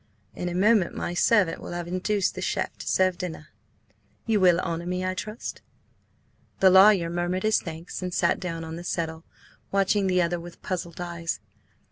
In a moment my servant will have induced the chef to serve dinner. You will honour me, I trust?" The lawyer murmured his thanks and sat down on the settle, watching the other with puzzled eyes.